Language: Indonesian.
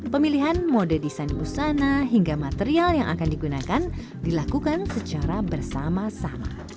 pemilihan mode desain busana hingga material yang akan digunakan dilakukan secara bersama sama